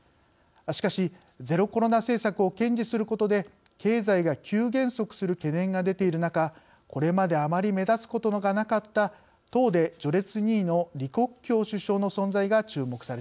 しかしゼロコロナ政策を堅持することで経済が急減速する懸念が出ている中これまであまり目立つことがなかった党で序列２位の李克強首相の存在が注目されています。